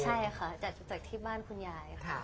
ใช่ค่ะจากที่บ้านคุณยายค่ะ